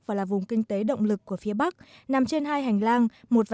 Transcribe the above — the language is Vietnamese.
và là vùng kinh tế động lực của phía bắc nằm trên hai hành lang